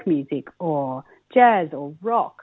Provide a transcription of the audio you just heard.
atau musik folk atau jazz atau rock